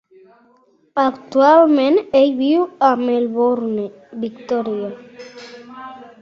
Actualment, ell viu a Melbourne, Victòria.